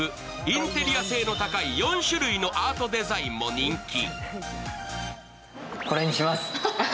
インテリア性の高い４種類のアートデザインも人気。